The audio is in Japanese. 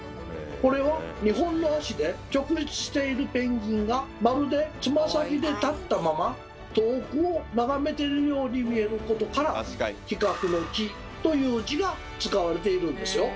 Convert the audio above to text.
これは２本の足で直立しているペンギンがまるでつま先で立ったまま遠くを眺めてるように見えることから企画の「企」という字が使われているんですよ。